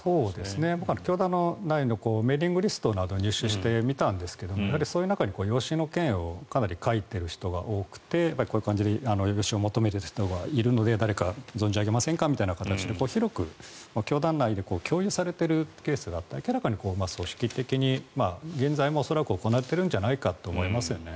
僕は教団内のメーリングリストなどを入手してみたんですがその中に養子の件をかなり書いている人がかなり多くてこういう感じで呼び戻しを求めている人がいるので誰か存じ上げませんかみたいな形で広く教団内で共有されているケースがあって明らかに組織的に現在も恐らく行っているんじゃないかと思いますね。